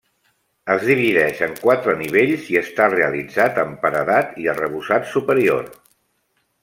Es divideix en quatre nivells i està realitzat amb paredat i arrebossat superior.